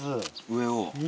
上を。